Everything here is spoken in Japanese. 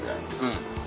うん。